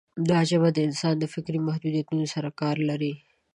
دا ژبه د انسان د فکر د محدودیتونو سره کار کوي.